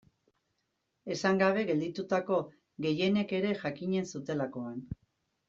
Esan gabe gelditutako gehienek ere jakinen zutelakoan.